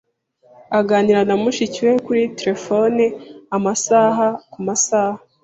Aganira na mushiki we kuri terefone amasaha kumasaha.